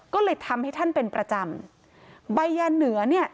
ก็เลยทำให้ท่านเป็นประจำใบยาเหนือเนี่ย